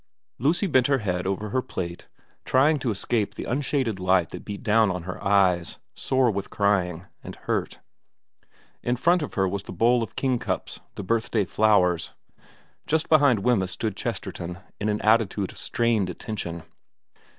Lucy bent her head over her plate, trying to escape the unshaded light that beat down on her eyes, sore with crying, and hurt. In front of her was the bowl of 276 VERA xxv kingcups, the birthday flowers. Just behind Wemyss stood Chesterton, in an attitude of strained attention.